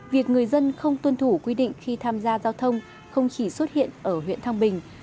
việc người dân không tuân thủ quy định khi tham gia giao thông không chỉ xuất hiện ở huyện thang bình